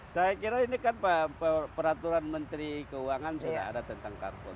saya kira ini kan peraturan menteri keuangan sudah ada tentang karbon